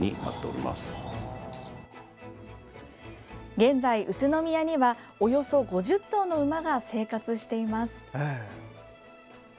現在、宇都宮にはおよそ５０頭の馬が生活しています。